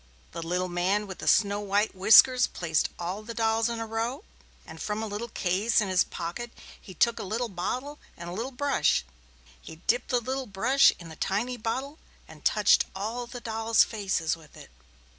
The little man with the snow white whiskers placed all the dolls in a row and from a little case in his pocket he took a tiny bottle and a little brush. He dipped the little brush in the tiny bottle and touched all the dolls' faces with it.